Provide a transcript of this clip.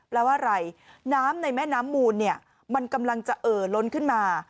แปลว่าอะไรน้ำในแม่น้ำมูลมันกำลังจะเอ่อล้นขึ้นมา